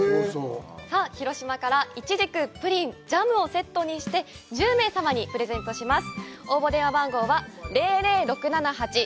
さあ、広島からいちじくプリン、ジャムをセットにして１０名様にプレゼントいたします。